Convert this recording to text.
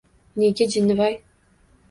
Nega, jinnivoy?